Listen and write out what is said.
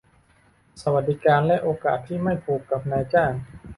สวัสดิการและโอกาสที่ไม่ผูกกับนายจ้าง